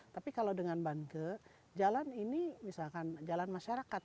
tapi kalau dengan bange jalan ini misalkan jalan masyarakat